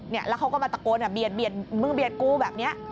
แล้วเขาก็มาตะโกนเบียดมึงเบียดกูแบบนี้